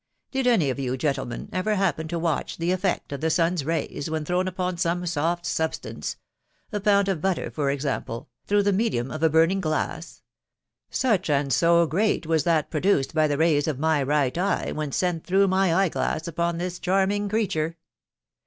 Did any of you, gentlemen, ever happen to watch the effect of the sun's rays when thrown upon some soft substance (a pound of butter for example) through the medium of a burning glass ?...• Such and so great was that produced by the rays of my right eye when sent through my eye glass upon this charming creature